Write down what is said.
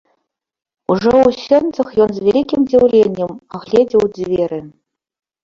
Ужо ў сенцах ён з вялікім здзіўленнем агледзеў дзверы.